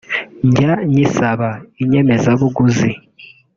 ’’njya nyisaba [ inyemeza-buguzi]